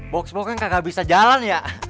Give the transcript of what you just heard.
box boxnya nggak bisa jalan ya